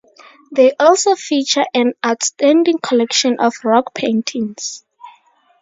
They also feature an outstanding collection of rock paintings.